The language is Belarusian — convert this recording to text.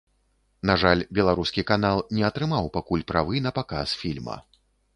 На жаль, беларускі канал не атрымаў пакуль правы на паказ фільма.